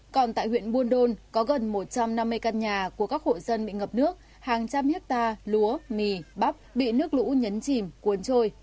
còn tại huyện buôn đôn có gần một trăm năm mươi căn nhà của các hộ dân bị ngập nước hàng trăm hectare lúa mì bắp bị nước lũ nhấn chìm cuốn trôi